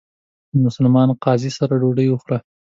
د مسلمان قاضي سره ډوډۍ وخوړه.